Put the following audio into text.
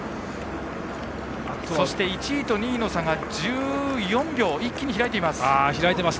そして１位と２位の差が１４秒と一気に開いています。